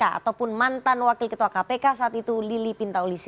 ataupun mantan wakil ketua kpk saat itu